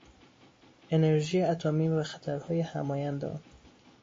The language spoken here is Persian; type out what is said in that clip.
انرژی اتمی و خطرهای همایند آن